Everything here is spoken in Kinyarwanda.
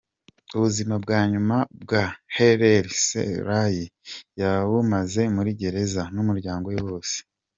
Ubuzima bwa nyuma bwa Haile Selassie yabumaze muri gereza, n’umuryango we wose.